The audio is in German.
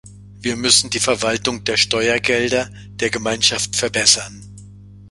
Wir müssen die Verwaltung der Steuergelder der Gemeinschaft verbessern.